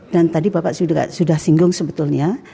dan tadi bapak sudah singgung sebetulnya